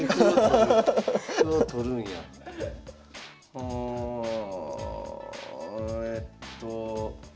うんえっと。